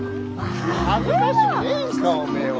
恥ずかしくねえんかおめえは。